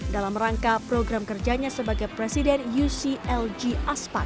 dalam rangka program kerjanya sebagai presiden uclg aspat